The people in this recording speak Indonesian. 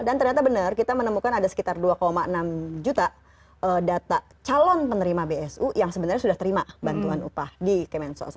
dan ternyata benar kita menemukan ada sekitar dua enam juta data calon penerima bsu yang sebenarnya sudah terima bantuan upah di kemensos